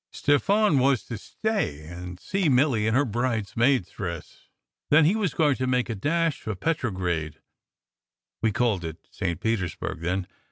Stefan was to stay and see Milly in her bridesmaid s dress; then he was going to make a dash for Petrograd (we called it St. Petersburg then!)